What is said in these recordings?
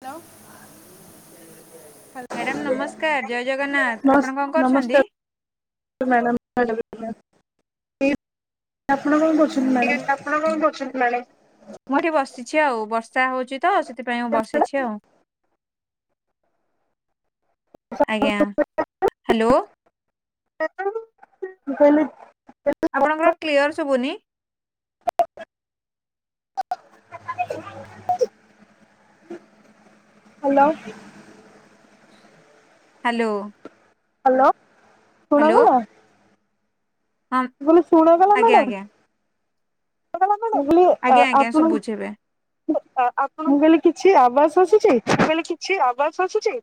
ଲ madam ନମସ୍କାର୍ ଜୟ ଜଗନ୍ନାଥ୍ ନମସ୍ ଆପଣ କଁ ନମସ୍କାର କରୁଛନ୍ତି? ମ୍ୟାଡ଼ାମ ଆପଣ କଣ କରୁଛନ୍ତି ଠିକ ଅଛି ମ୍ୟାଡାମ୍। ଆପଣ କଣ କରୁଛନ୍ତି ମ୍ୟାଡ଼ାମ୍ ମୁଁ ଏଠି ବସିଛି ଆଉ ବର୍ଷା ହୋଉଛି ତ ସେଥିପାଇଁ ମୁଁ ବସିଛି ଆଉ। ଆଜ୍ଞା ହ୍ୟାଲୋ। ମୁଁ କହିଲି ଆପଣଙ୍କର କ୍ଲିୟର୍ ସବୁନି। ହାଲୋ। ହାଲୋ। ହାଲୋ ଶୁଣାଗଲା? ହଁ ମୁଁ କଇଲି ଶୁଣାଗଲା ଆଜ୍ଞା ମ୍ୟାଡାମ୍? ଆଜ୍ଞା। ମୁଁ କଇଲି ଆଜ୍ଞା ଆଜ୍ଞା ଆପଣ। ଶୁଭୁଛି ଏବେ। ଆପଣ ମୁଁ କହିଲି କିଛି ଆବାସ୍ ଆସିୁଛି? ଛି ଅବାସ୍ ଆସୁଛି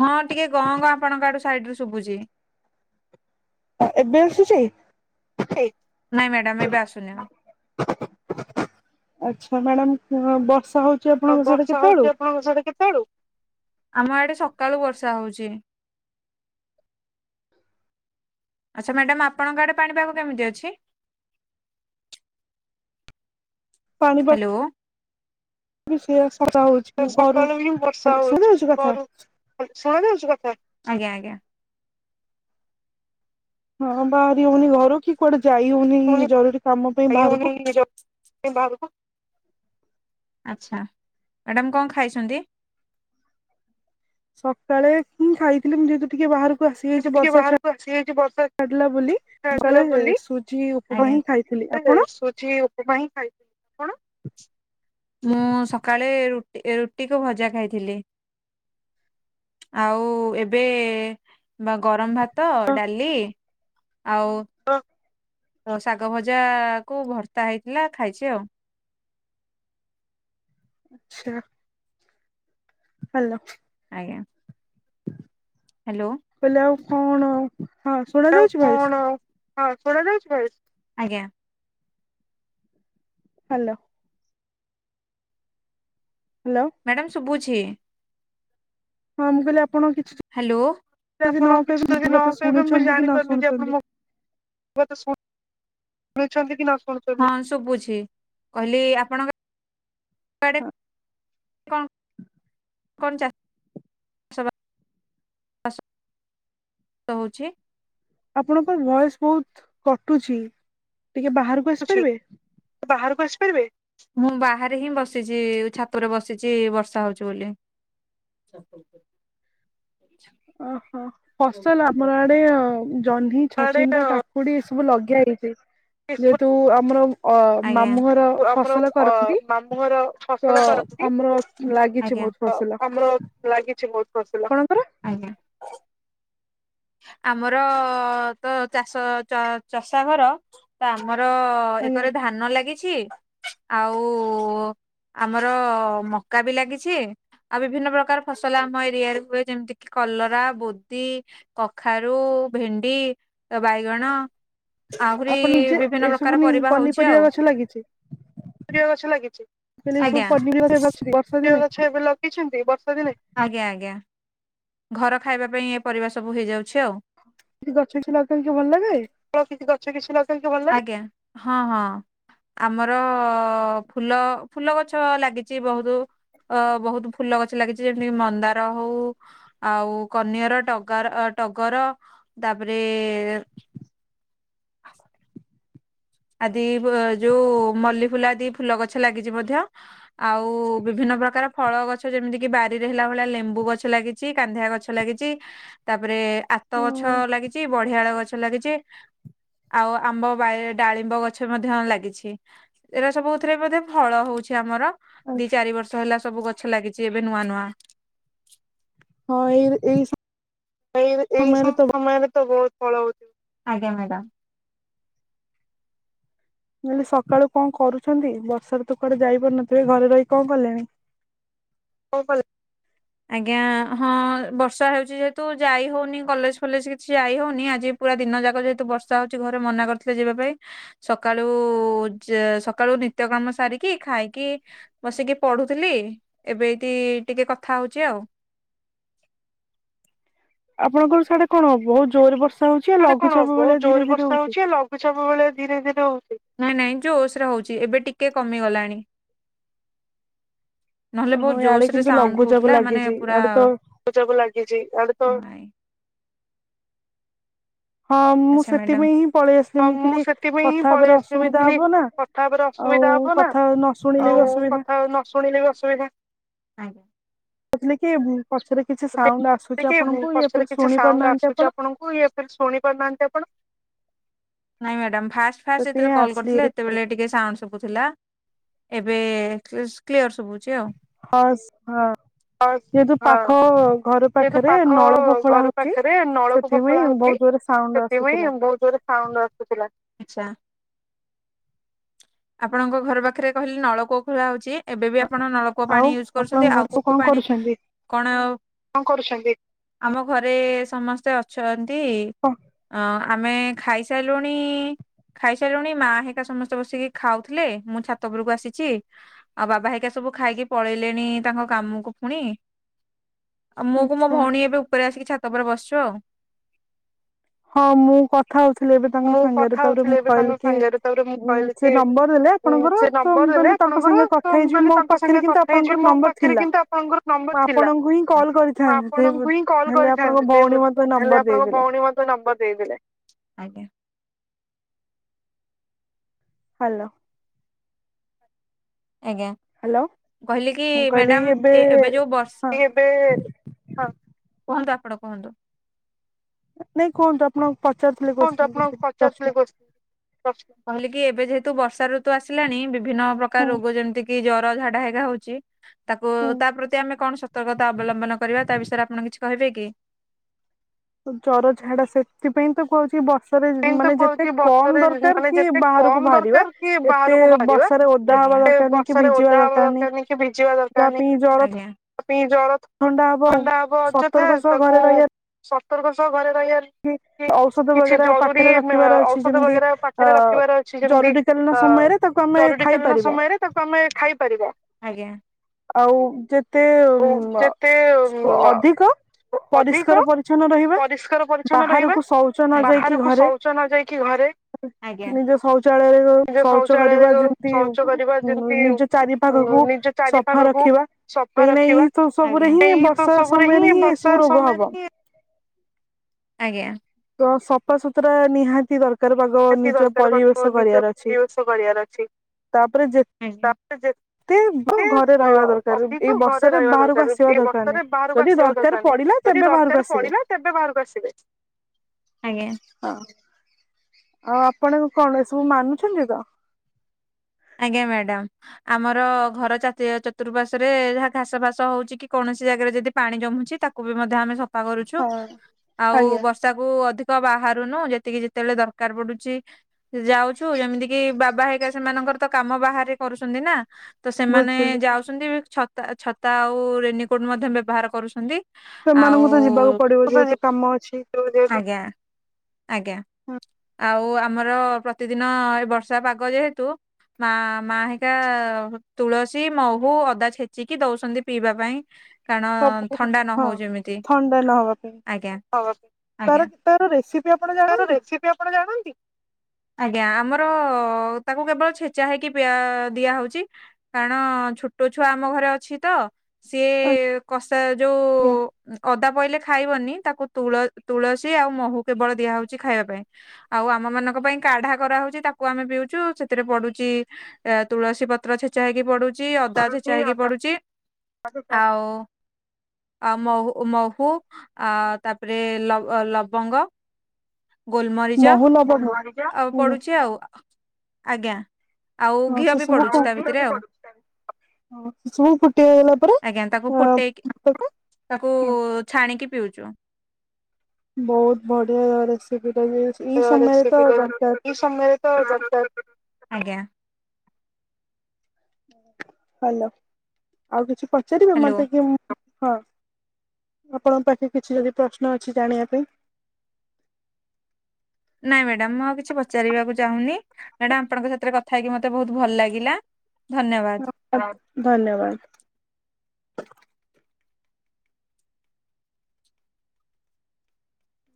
ହଁ ଟିକେ ଙ୍ଗ ଙ୍ଗ ଆପଣଙ୍କ ଆଡୁ ସାଇଟଡ୍ ରୁ ଶୁବୁଚି। ଏବେ ଆସୁଚି? ନାଇଁ ମ୍ୟାଡାମ୍ ଏବେ ଆସୁନି ଆଉ। ଆଛା ମ୍ୟାଡାମ୍ ବର୍ଷା ହୋଉ ତ ବର୍ଷା ହୋଉଚି ଆପଣଙ୍କ ସାଡେ କେତେବେଳୁ, ଆମ ଆଡେ ସକାଳୁ ବର୍ଷା ହୋଉଚି। ଆଛା ମ୍ୟାଡାମ୍ ଆପଣଙ୍କ ଆଡେ ପାଣିପାଗ କେମିତି ଅଛି? ହାଲୋ। ସଜା ହୋଉଛି ଘରୁ ସକାଳୁ ଶୁଣାଉଚି କଥା? ଶୁଣାଜାଉଚି କଥା, ଆଜ୍ଞା ଆଜ୍ଞା। ହଁ ବାହାରି ହୋଉନି ଘରୁ କି କୁଆଡେ ଯାଇ ହୋଉନି ଜରୁରୀ କାମ ପାଇଁ ବାହାରୁକୁ। ନିଜ ଏ ବାହରୁକୁ ଆଚ୍ଛା ମ୍ୟାଡ଼ାମ କଁ ଖାଇଛନ୍ତି? ସକାଳେ ହିଁ ଖାଇଥିଲି ମୁଁ ଯେହେତୁ ଟିକେ ବାହାରୁ ଏବେ ଆସିଯାଇଛି ଟିକେ ବର୍ଷା ଛା ବାହାରକୁ ଆସିଯାଇଛି ବର୍ଷା ଛାଡିଲା ବୋଲି ଛାଡିଲା ସକାଳେ ବୋଲି। ସୁଜି ଉ ପମା ଆଜ୍ଞା। ହିଁ ଖାଇଥିଲି, ଆପଣ? ସୁଜି ମୁଁ ସଖାଳେ ରୁଟି ଏରୁ ଟିକେ ଭଜା ଖାଇଥିଲି ଆଉ ଏବେ ବା ଗରମ୍ ଭାତ ଡାଲି ଆଉ ତ ଶାଗ ଭଜା କୁ ଭର୍ତ୍ତା ହେଇଥିଲା ଖାଇଚି ଆଉ। ଆଚ୍ଛା ହାଲୋ ଆଜ୍ଞା। ହାଲୋ ହେଲେ ଆଉ କଣ? ହଁ ଶୁଣା ଆଉ ଯାଉଛି ଭଏସ କଣ ହଁ ଶୁଣା ଯାଉଛି ତ ଏବେ? ହାଲୋ ହାଲୋ ମ୍ୟାଡ଼ାମ୍ ଶୁଭୁଛି। ହଁ ମୁଁ କଇଲି ଆପଣଙ୍କ କିଛି ହାଲୋ ଯଦି ନ କହିବେ ମୋ କଥା ଶୁଣିଛନ୍ତି କି ନ ଶୁଣୁଛନ୍ତି ହୁଏତ ଶୁଣ୍ ଶୁଣୁଛନ୍ତିକି ନ ଶୁଣୁଛନ୍ତି? କୁଆଡେ ହଁ କଁ କଁ ଚା ଆସ। ରୋହୁଛି? ଆପଣଙ୍କର ଭଏସ୍ ବୋହୁତ୍ କଟୁଛି ଟିକେ ବାହାରୁକୁ ଆସିପାରିବେ? ବାହାରୁକୁ ଆସି ପାରିବେ? ମୁଁ ବାହାରେ ହିଁ ବସିଛି ଉ ଛାତ ଉପରେ ବସିଛି ବର୍ଷା ହୋଉଛି ବୋଲି। ଚା [inaudible] ଓହୋ ଫସଲ ଆପଣଙ୍କ ଆଡେ ଅଁ ଜହ୍ନି, ଆଡେ ଛଚିନ୍ଦ୍ରା କା କୁଡି ସବୁ ଲଗିଆ ହେଇଚି ଯେହେତୁ ଆମର ଅ ଆଜ୍ଞା। ମାମୁଁଘର ଆମର ଫସଲ ଅ କରନ୍ତି ମାମୁଁ ଘର ତ ଫସଲ କରନ୍ତି ଆମର ଲାଗିଛି ଆଜ୍ଞା। ଭୋଉତ୍। ତ ଆମର ଲାଗିଛି ଭୋଉତ୍ ଫସଲ। ଆପଣଙ୍କର ଆମର ତ ଚାଷ ଚ ଚଷା ଘର ତା ଆମର କ ଆଜ୍ଞା ଏକର ଧାନ ଲାଗିଛି ଆଉ ଆମର ମକା ବି ଲାଗିଛି। ଆ ବିଭିନ୍ନ ପ୍ରକାର ଫସଲ ଆମ ଏରିଆରେ ହୁଏ ଯେମିତି କିି କଲରା ବୋତି। କଖାରୁ ଭେଣ୍ଡି ତ ବାଇଗଣ। ଆହୁରି ଆପଣ ନିଜେ ବିଭିନ୍ନ ଏସବୁ ପ୍ରକାର ନି ପରିବା ହୋଉଛି ପନିପରିବା ଆଉ। ଗଛ ଲାଗିଛି ଗଛ ଲାଗିଚି କହିଲେ ଏସବୁ ଆଜ୍ଞା ପନିପରିବା ଏବେ ଅଛି ବର୍ଷା ପରିବା ଦିନେ ଗଛ ଏବେ ଲ ଲଗେଇଛନ୍ତି ବର୍ଷା ଦିନେ ଆଜ୍ଞା ଆଜ୍ଞା ଘର ଖାଇବା ପାଇଁ ଏ ପରିବା ସବୁ ହେଇଯାଉଛି ଆଉ। କି ଗଛ କିଛି ଲଗା ଲଗି ଭଲ୍ ଲାଗେ? ତ କିଛି ଗଛ କିଛି ଲଗେଇକି ଭଲ୍ ଲାଗେ ଆଜ୍ଞା ହଁ ହଁ। ଆମର ଫୁଲ ଫୁଲ ଗଛ ଲାଗିଛି ବୋହୁତୁ। ଅ ବୋହୁତ୍ ଫୁଲ ଗଛ ଲାଗିଛି ଯେମିତି କି ମନ୍ଦାର ହୋଉ ଆଉ କନିଅର ଟ ଗର୍ ଅ ଟଗର ତାପ୍ରେ ଆଦି ବ୍ ଯୋଉ ମଲ୍ଲି ଫୁଲ ଆଦି ଫୁଲ ଗଛ ଲାଗିଚି ମଧ୍ୟ। ଆଉ ବିଭିନ୍ନ ପ୍ରକାର ଫଳ ଗଛ ଯେମିତି କିି ବାରିରେ ହେଲା ଭଳିଆ ଲେମ୍ବୁ ଗଛ ଲାଗି ଚି କାନ୍ଧିଆ ଗଛ ଲାଗିଚି। ତାପରେ ଆତ ଗଛ ଲାଗିଚି ବଢିଆଳ ଗଛ ଲାଗିଚି। ଆଉ ଆମ୍ବ ବାଇଏ ଡାଳିମ୍ବ ଗଛ ମଧ୍ୟ ଲାଗିଛି ଏରା ସବୁଥିରେ ବୋଧେ ଫଳ ହୋଉଛି ଆମର। ଦି ଚାରି ବର୍ଷ ହେଲା ସବୁ ଗଛ ଲାଗିଚି ଏବେ ନୂଆ ନୂଆ। ହଁ ଏଇବା ଏଇ ଏଇବା ଏଇ ସମୟରେ ତ ବହୁତ ଫଳ ହଉଥିବ। ଆଜ୍ଞା ମ୍ୟାଡ଼ାମ। ମୁଁ କହିଲି, ସକାଳୁ କଣ କରୁଛନ୍ତି ବର୍ଷାରେ ତୁ କୁଆଡେ ଯାଇପାରୁନଥିବେ। ଘରେ ରହି କଣ କଲେଣି? ଓ ଭ ଆଜ୍ଞା ହଁ ବର୍ଷା ହେଉଛି ଯେହେତୁ ଯାଇ ହଉନି କଲେଜ ଫଲେଜ କିଛି ଯାଇ ହଉନି। ଆଜି ପୁରା ଦିନ ଯାକ ଯେହେତୁ ବର୍ଷା ହଉଛି ଘରେ ମନା କରିଥିଲେ ଯିବା ପାଇଁ। ସକାଳୁ, ସକାଳୁ ନିତ୍ୟ କାମ ସାରିକି ଖାଇକି ବସିକି ପଢୁଥିଲି, ଏବେ ହେଇଟି ଟିକେ କଥା ହଉଛି ଆଉ। ଆପଣଙ୍କର ସିଆଡେ କଣ ବହୁତ ଜୋରରେ ବର୍ଷା ହଉଛି, ଲଘୁଚାପ ଭଳିଆ ଧୀରେ ଧୀରେ ହଉଛି। ସବୁବେଳେ ଧୀରେ ଧୀରେ ହଉଛି। ନାଇଁ ନାଇଁ ଜୋରସରେ ହଉଛି ଏବେ ଟିକେ କମି ଗଲାଣି। ନହେଲେ ବହୁତ ଓହୋ ଜୋସ ଇଆଡେ ରେ କିନ୍ତୁ ଲଘୁଚାପ ଲାଗିଛି। ଇଆଡେ ତ ଲଘୁ ଚାପ ଲାଗିଛି। ଇଆଡେ ତ ହଁ ମୁଁ ଆଚ୍ଛା ସେଥିପାଇଁ ହିଁ ପଳେଇ ଆସିଲି ମ୍ୟାଡାମ। ମୁଁ କହିଲି ସେଥିପାଇଁ ହିଁ କଥା ପଳେଇ ହେବାରେ ଆସଛିି ମୁଁ ଅସୁବିଧା କହିଲି ହବ ନା ତାପରେ ଆଉ ଅସୁବିଧା ହବ ନା, କଥା ନ ଶୁଣିଲେ ବି ଆଉ ଅସୁବିଧା କଥା ନ ଶୁଣିଲେ ବି ଅସୁବିଧା ଆଜ୍ଞା। କହିଲି କି ପଛରେ କିଛି ସାଉଣ୍ଡ ଆସୁଛି କି ଆପଣଙ୍କୁ ଇଏ ପଛରେ ଫିର୍ କିଛି ଶୁଣି ସାଉଣ୍ଡ ପାରୁନାହାନ୍ତି ଆସୁଛି ଆପଣ। ଆପଣଙ୍କୁ ଇଏ ଫିର୍ ଶୁଣି ପାରୁନାହାନ୍ତି ଆପଣ। ନାଇଁ ମ୍ୟାଡ଼ାମ୍ ଫାଷ୍ଟ ଫାଷ୍ଟ ଯେତେବେଳେ ସେଥିପାଇଁ କଲ୍ ଆସିଲି କରିଥିଲେ ହେରି ହେତେବେଳେ ଘରକୁ ଟିକେ ସାଉଣ୍ଡ ଶୁଭୁ ଥିଲା। ଏବେ କ୍ଲିୟର ଶୁଭୁଛି ଆଉ। ହଁ ହଁ ଯେହେତୁ ହଁ ପାଖ ଘର ଯେହେତୁ ପାଖରେ ପାଖ ନଳକୂଅ ଖୋଳା ଘର ହଉଛି ପାଖରେ ନଳକୂପ ସେଥିପାଇଁ ବହୁତ ଜୋରରେ ସାଉଣ୍ଡ ଆସୁଥିଲା। ବୋହୁତ ଜୋରରେ ସାଉଣ୍ଡ ଆସୁଥିଲା। ଆଚ୍ଛା। ଆପଣଙ୍କ ଘର ପାଖରେ କହିଲେ ନଳକୂଅ ଖୋଳା ହଉଛି। ଏବେ ବି ଆପଣ ନଳକୂଅ ପାଣି ଆଉ ୟୁଜ୍ କରୁଛନ୍ତି ଆପଣଙ୍କ ଆଉ ଘରେ କୋଉ ସବୁ କୋଉ କଣ ପାଣି କରୁଛନ୍ତି? କଣ ଆଉ କଣ କରୁଛନ୍ତି? ଆମ ଘରେ ସମସ୍ତେ ଅ ଅଛନ୍ତି। ଅ ଆମେ ଖାଇସାରିଲୁଣି। ଖାଇସାରିଲୁଣି, ମାହେରିକା ସମସ୍ତେ ବସିକି ଖାଉଥିଲେ ମୁଁ ଛାତ ଉପରକୁ ଆସିଛି। ଆଉ ବାବା ହେରିକା ସବୁ ଖାଇକି ପଳେଇଲେଣି ତାଙ୍କ କାମକୁ ଫୁଣି। ଆଉ ମୁଁ କୁ ମୋ ଆଚ୍ଛା ଭଉଣୀ ଏବେ ଉପରେ ଆସିକି ଛାତ ଉପରେ ବସିଛୁ ଆଉ। ହଁ ମୁଁ କଥା ହଉଥିଲି ଏବେ ତାଙ୍କ ମୁଁ ସାଙ୍ଗରେ କଥା ତାପରେ ମୁଁ ହଉଥିଲି ଏବେ କହିଲି ତାଙ୍କ କି ସାଙ୍ଗରେ ତାପରେ ମୁଁ କହିଲି କି ସେ ନମ୍ବର ଦେଲେ। ଉଁ ଆପଣଙ୍କର, ସେ ତ ନମ୍ବର ମୁଁ ଦେଲେ କହିଲି - ତାଙ୍କ ଆପଣଙ୍କର ସାଙ୍ଗେ ତ କଥା ମୁଁ ହେଇଯିବି କହିଲି ମୋ ତାଙ୍କ ପାଖରେ ସାଙ୍ଗରେ କିନ୍ତୁ କଥା ହେଇଯିବି ଆପଣଙ୍କର ମୋ ନମ୍ବର ପାଖରେ ଥିଲା। କିନ୍ତୁ ଆପଣଙ୍କର ନମ୍ବର ମୁଁ ଥିଲା। ଆପଣଙ୍କୁ ହିଁ କଲ୍ ମୁଁ କରିଥାନ୍ତି। ସେ ଆପଣଙ୍କୁ ହିଁ କଲ୍ ହେଲେ କରିଥାନ୍ତି ଆପଣଙ୍କ ଭଉଣୀ ମତେ ହେଲେ ନମ୍ବର ଆପଣଙ୍କ ଦେଇଦେଲେ। ସେ ଭଉଣୀ ମତେ ନମ୍ୱର୍ ଦେଇଦେଲେ। ହ୍ୟାଲୋ। ଆଜ୍ଞା ହ୍ୟାଲୋ କହିଲି କି ମୁଁ କହିଲି ମ୍ୟାଡ଼ାାମ ଏ ଏବେ ଯୋଉ ବସ୍ ହଁ ଏବେ ହଁ କୁହନ୍ତୁ ଆପଣ କୁହନ୍ତୁ। ନାଇଁ କୁହନ୍ତୁ, ଆପଣ ପଚାରୁଥିଲେ କୁହନ୍ତୁ କୋଶ୍ଚିନ୍ ଆପଣ କିଛି ପଚାରୁଥିଲେ ପ୍ରଶ୍ନ କୋଶ୍ଚିନ କହିଲି କି ଏବେ ଯେହେତୁ ବର୍ଷା ଋତୁ ଆସିଲାଣି, ବିଭିନ୍ନ ହୁଁ ପ୍ରକାର ରୋଗ ଯେମିତି କି ଜର ଝାଡା ହେକା ହଉଛି ତାକୁ ହୁଁ ତା ପ୍ରତି ଆମେ କଣ ସତ ସତର୍କତା ଅବଲମ୍ବନ କରିବା ତା ବିଷୟରେ ଆପଣ କିଛି କହିବେ କି? ଜ୍ଵର ଝାଡା ସେଥିପାଇଁ ତ କୁହୁଛି ବଷ୍ ବର୍ଷାରେ ମେନ୍ ତ ମାନେ ଯେତେ କହୁଛି କମ୍ ବର୍ଷାରେ ଦରକାର ମାନେ କି ଯେତେ କମ ବାହାରକୁ ବାହାରିବା। ଏତେ ବର୍ଷାରେ ଓଦା ଆଜ୍ଞା ହବା ଏତେ ଦରକାର ନାହିଁ କି ବର୍ଷାରେ ଭିଜିବା ଓଦା ହବା ଦରକାର ନାହିଁ କି ଭିଜିବା ଯାହା ଦରକାର ନାହିଁ। ପାଇଁ ଜର ଆଜ୍ଞା। [unintelligible] ଜର ଥ ଥଣ୍ଡା ହବ ଥଣ୍ଡା ହବ ଅଯଥା ସତର୍କ ସହ ତାକୁ ଘରେ ସତର୍କ ସହ ଘରେ ରହିବାର କି ଔଷଧ କିଛି ବଗେରା ଜରୁରୀ ପାଖରେ ରଖିବାର ଅଛି। ଔଷଧ ଯେମିତି ବଗେରା ପାଖରେ ଅ ରଖିବାର ଅଛି ଯେମିତି ଜରୁରୀ କାଳୀନ ସମୟରେ ତାକୁ ଆମେ ଖାଇପାରିବା। ପରେ ତାକୁ ଆମେ ଖାଇପାରିବ ଆଜ୍ଞା। ଆଉ ଯେତେ ଅ ଯେତେ ଅଧିକ ଅଧିକ ପରିଷ୍କାର ପରିଚ୍ଛନ୍ନ ରହିବା, ପରିଷ୍କାର ପରିଚ୍ଛନ୍ନ ରହିବା। ବାହାରକୁ ଶୌଚ ନ ଯାଇକି ଘ ବାହାରକୁ ଶୌଚ ନ ଯାଇକି ଘରେ ଆଜ୍ଞା। ନିଜ ଶୌଚାଳୟରେ ନିଜ ଶୌଚ ଶୌଚାଳୟରେ କରିବା ଶୌଚ କରିବା ଯେମିତି ଯେମିତି ନିଜ ଚାରିପାଖକୁ ନିଜ ଚାରି ସଫା ପାଖକୁ ରଖିବା। ସଫା କାହିଁକି ନା ରଖିବା। ଏଇ ଆଜ୍ଞା। ସବୁରେ ହିଁ ଏଇ ତ ବର୍ଷା ସବୁରେ ସମୟରେ ହିଁ ବର୍ଷା ଏଇସବୁ ରୋଗ ସମୟରେ ହବ। ହିଁ ଆଜ୍ଞା। ତ ସଫାସୁତୁରା ନିହାତି ଦର ନିହାତି ଦରକାର ଅଛି [inaudible] କରିବାର ଅଛି। ତାପରେ ଯେ ହୁଁ ତାପରେ ଯେ ଯେତେ ଘରେ ବ ରହିବା ଦରକାର ଏଇ ଅଧିକ ଘରେ ବର୍ଷାରେ ରହିବା ବାହାରକୁ ଦରକାର, ଆସିବା ଏଇ ଦରକାର ନାହିଁ। ବର୍ଷରେ ବାହାରକୁ ଯଦି ଆସିବା ଦରକାର ନାହିଁ। ପଡିଲା ଯଦି ତେବେ ବାହାରକୁ ଦରକାର ଆସିବେ ପଡିଲା ତେବେ ବାହାରକୁ ଆସିବେ। ଆଜ୍ଞା। ହଁ ଆଉ ଆପଣ କଣ ଏ ସବୁ ମାନୁଛନ୍ତି ତ। ଆଜ୍ଞା ମ୍ୟାଡ଼ାମ। ଆମର ଘର ଚତିଆ ଚର୍ତୁପାର୍ଶ୍ୱରେ ଯାହା ଘାସ ଫାସ ହଉଛି କି କୌଣସି ଜାଗାରେ ଯଦି ପାଣି ଜମୁଛି ତାକୁ ବି ମଧ୍ୟ ଆମେ ସଫା କରୁଛୁ। ହଁ ଆଉ ଆଜ୍ଞା ବଷ ବର୍ଷାକୁ ଅଧିକ ବାହାରୁନୁ ଯେତିକି ଯେତେବେଳେ ଦରକାର ପଡୁଚି ଯାଉଚୁ ଯେମିତି କି ବାବା ହେଇକା ସେମାନଙ୍କର ତ କାମ ବାହାରେ କରୁଛନ୍ତି ନା। ତ ସେମାନେ ବୁଝିଲି ଯାଉଛନ୍ତି ଛତା ଛତ ତା ଆଉ ରେନିକୋଟ ମଧ୍ୟ ବ୍ୟବହାର କରୁଛନ୍ତି। ଆଉ ସେମାନଙ୍କୁ ତ ଯିବାକୁ ପଡିବ ଯେହେତୁ କାମ ଅଛି। ଆଜ୍ଞା ଆଜ୍ଞା ଆଉ ବୋଉ ଆମର ପ୍ରତିଦିନ ଏ ବର୍ଷା ପାଗ ଯେହେତୁ ମାଁ ମାଁ ହେକା ତୁଳସୀ, ମହୁ, ଅଦା ଛେଚିକି ଦଉଛନ୍ତି ପିଇବା ପାଇଁ। କାରଣ ସବୁ ଥଣ୍ଡା ନ ହଁ ହଉ ଯେମିତି ଥଣ୍ଡା ନହବା ପାଇଁ ଆଜ୍ଞା ହଁ ତାର ଆଜ୍ଞା। ତାର ରେସିପି ଆପଣ ଜାଣନ୍ତି? ତାର ରେସିପି ଆପଣ ଜାଣନ୍ତି? ଆଜ୍ଞା ଆମର ତାକୁ କେବଳ ଛେଚା ହେଇକି ପିଆ ଦିଆ ହଉଛି। କାରଣ ଛୋଟ ଛୁଆ ଆମ ଘରେ ଅଛି ତ। ସିଏ କଷା ଯୋଉ ଆଜ୍ଞା ଅଦା ପଇଲେ ଖାଇବନି ତାକୁ ତୁଳ ତୁଳସୀ ଆଉ ମହୁ କେବଳ ଦିଆ ହଉଛି ଖାଇବା ପାଇଁ। ଆଉ ଆମ ମାନଙ୍କ ପାଇଁ କାଢା କରାହଉଛି ତାକୁ ଆମେ ପିଉଚୁ। ସେଥିରେ ପଡୁଚି ଏ ତୁଳସୀ ପତ୍ର ଛେଚା ହେଇକି ପଡୁ ଚି, ଅଦା ଛେଚା ପଡୁଛି ହେଇକି ଅଦା, ପଡୁଚି ଆଉ ଆ ମହୁ ମହୁ ଆ ତାପରେ ଲବ ଲବଙ୍ଗ ଗୋଲମରିଚ ମହୁ, ଲବଙ୍ଗ ଆଉ ପଡୁଛି ଆଉ ଆଜ୍ଞା ଆଉ ଘିଅ ବି ପଡୁଛି ତା ଭିତରେ ଆଉ। ଆଉ ସବୁ ଫୁଟିଗଲା ପରେ ଆଜ୍ଞା ତାକୁ ଫୁଟେଇକି ତାକୁ ହଁ ଛାଣିକି ପିଉଚୁ ବହୁତ ବଢିଆ ରେସିପିଟା [unintelligible] ତ ଦରକାର [unintelligible] ସମୟ ତ ଦରକାର ଆଜ୍ଞା। ହାଲୋ ଆଉ କିଛି ପଚାରିବେ ହ୍ୟାଲୋ ମୋତେ କି ହଁ ଆପଣଙ୍କ ପାଖେ କିଛି ଯଦି ପ୍ରଶ୍ନ ଅଛି ଜାଣିବା ପାଇଁ। ନାଁଇ ମ୍ୟାଡାମ୍ ମୁଁ ଆଉ କିଛି ପଚାରିବାକୁ ଚାହୁଁନି, ମ୍ୟାଡାମ୍ ଆପଣଙ୍କ ସାଥିରେ କଥା ହେଇକି ମତେ ବୋହୁତ୍ ଭଲ୍ ଲାଗିଲା। ଧନ୍ୟବାଦ୍। [unintelligible] ଧନ୍ୟବାଦ୍।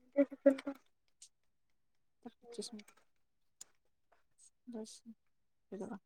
[unintelligible] ପଚିଶି, ଦଶ୍, ଏଗାର